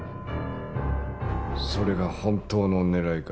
それが本当の狙いか。